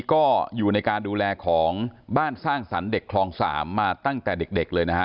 ก็อยู่ในการดูแลของบ้านสร้างสรรค์เด็กคลอง๓มาตั้งแต่เด็กเลยนะฮะ